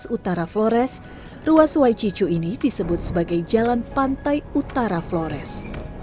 jalan lintas utara flores ruas wai cicu ini disebut sebagai jalan pantai utara flores